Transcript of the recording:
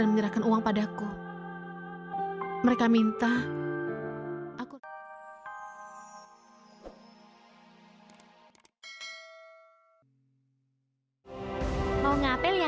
sampai jumpa di video selanjutnya